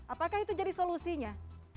apakah itu jadi solusinya